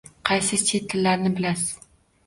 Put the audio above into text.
Qaysi chet tillarini bilasiz?